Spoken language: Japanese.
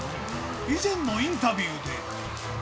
以前のインタビューで。